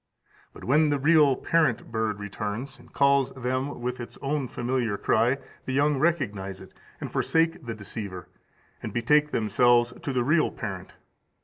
But when the real parent bird returns, and calls them with its own familiar cry, the young recognise it, and forsake the deceiver, and betake themselves to the real parent.